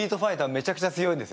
めちゃくちゃ強いんですね。